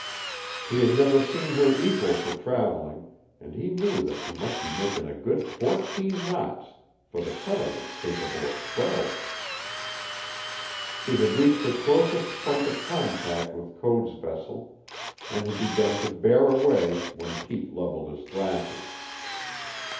He had never seen her equal for traveling, and he knew that she must be making a good fourteen knots, for the cutter was capable of twelve. She had reached her closest point of contact with Code's vessel and had begun to bear away when Pete leveled his glasses.